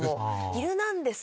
『ヒルナンデス！』